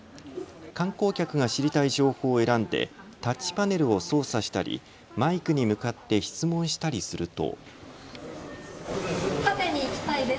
観光客が知りたい情報を選んでタッチパネルを操作したりマイクに向かって質問したりすると。